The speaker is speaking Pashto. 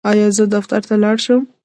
ایا زه دفتر ته لاړ شم؟